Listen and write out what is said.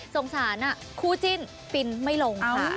สงสารคู่จิ้นปริ้นไม่ลงค่ะ